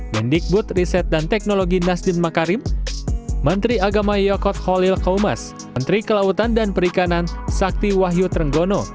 mendikbud riset dan teknologi nasdin makarim menteri agama yokot khalil kaumas menteri kelautan dan perikanan sakti wahyu trenggono